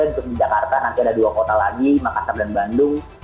untuk di jakarta nanti ada dua kota lagi makassar dan bandung